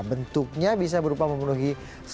bentuknya bisa berubah menjadi